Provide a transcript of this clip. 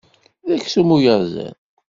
D aksum uyaziḍ.